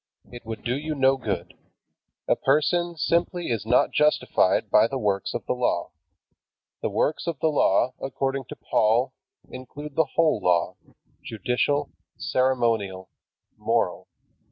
It would do you no good. A person simply is not justified by the works of the Law. The works of the Law, according to Paul, include the whole Law, judicial, ceremonial, moral.